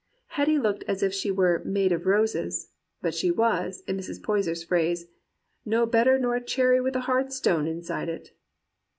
Hetty looked as if she were " made of roses ; but she was, in Mrs. Poyser's phrase, "no better nor a cherry wi' a hard stone inside it."